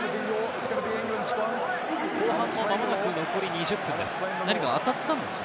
後半もまもなく残り２０分です。